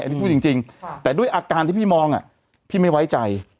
อันนี้พูดจริงแต่ด้วยอาการที่พี่มองพี่ไม่ไว้ใจ